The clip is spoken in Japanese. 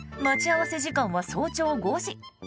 待ち合わせ時間は早朝５時。